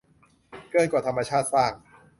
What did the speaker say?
เกินกว่าธรรมชาติสร้าง